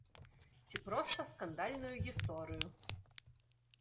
Ці проста скандальную гісторыю.